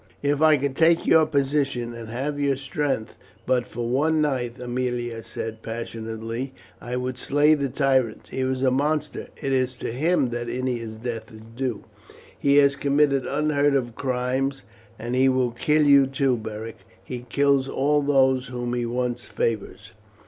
"If I could take your position, and have your strength but for one night," Aemilia said passionately, "I would slay the tyrant. He is a monster. It is to him that Ennia's death is due. He has committed unheard of crimes; and he will kill you, too, Beric. He kills all those whom he once favours."